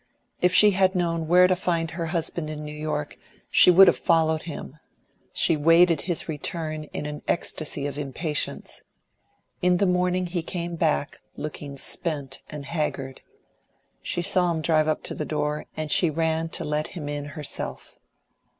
If she had known where to find her husband in New York, she would have followed him; she waited his return in an ecstasy of impatience. In the morning he came back, looking spent and haggard. She saw him drive up to the door, and she ran to let him in herself.